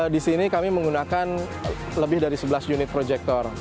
di sini kami menggunakan lebih dari sebelas unit proyektor